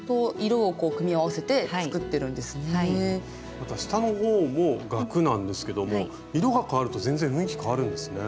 また下の方も額なんですけども色がかわると全然雰囲気変わるんですね。